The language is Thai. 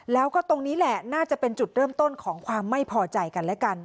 แล้วก็ตรงนี้แหละน่าจะเป็นจุดเริ่มต้นของความไม่พอใจกันและกัน